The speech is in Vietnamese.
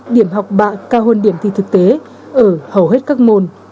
điểm học bạ cao hơn điểm thi thực tế ở hầu hết các môn